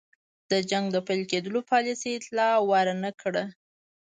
د جنګ د پیل کېدلو پالیسۍ اطلاع ور نه کړه.